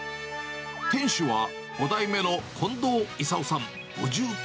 店主は５代目の近藤功夫さん